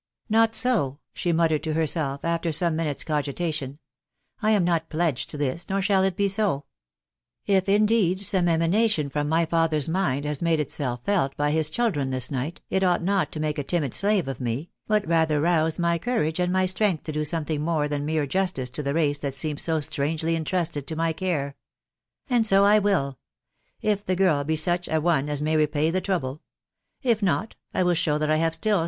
" Not so !" she muttered to herself, after some minutes* cogitation. iC I am not pledged to this> nor shall it be so. I£ indeed, some emanation from my father* mind has made itself felt by his children this night, it ought not to make a imid slave of me, but rather rouse my courage ami mj wxeagifck WIDOW BUUMtBT. $5 to do Btwiernifisj mmre tkasi amv jojeweutafrthe raee tha&aeams so strangely intrumted\ tomyf cam And so I will! ..•. if the girl be st»ch>a one as may repay ths*. trouble; .... if not, LwilLsaow* tHatrl ham still.